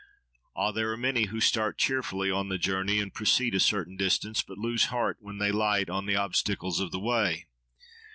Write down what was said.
—Ah! there are many who start cheerfully on the journey and proceed a certain distance, but lose heart when they light on the obstacles of the way.